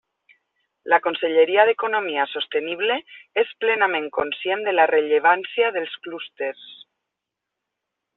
La Conselleria d'Economia Sostenible és plenament conscient de la rellevància dels clústers.